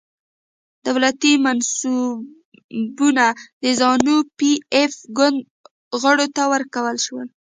دولتي منصبونه د زانو پي ایف ګوند غړو ته ورکړل شول.